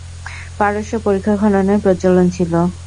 পারস্যে পরিখা খননের প্রচলন ছিল।